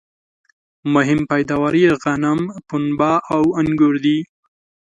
مهم پیداوار یې غنم ، پنبه او انګور دي